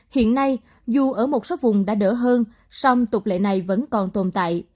hiện nay dù ở một số vùng đã đỡ hơn song tục lệ này vẫn còn tồn tại